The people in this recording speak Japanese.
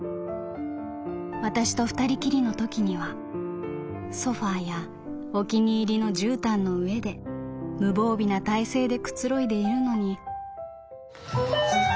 わたしと二人きりの時にはソファやお気に入りの絨毯の上で無防備な体勢でくつろいでいるのに」。